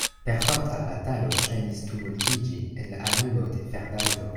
Perforta batalo ŝajnis tumultiĝi en la animo de Fernando.